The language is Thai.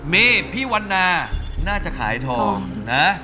นี่พี่วันนาน่าจะขายทองนะ